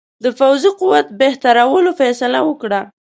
د پوځي قوت بهترولو فیصله وکړه.